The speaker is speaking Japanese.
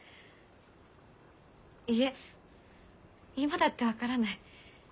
いいえ今だって分からない。